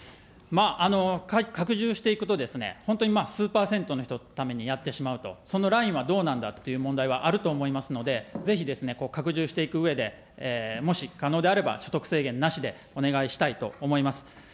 拡充していくと、本当に数％の人のためにやってしまうと、そのラインはどうなんだっていう問題は、あると思いますので、ぜひですね、拡充していくうえで、もし、可能であれば、所得制限なしでお願いしたいと思います。